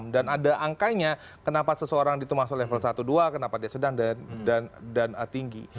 dan ada angkanya kenapa seseorang itu masuk level satu dua kenapa dia sedang dan tinggi